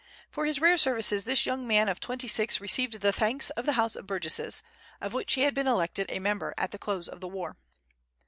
For his rare services this young man of twenty six received the thanks of the House of Burgesses, of which he had been elected a member at the close of the war.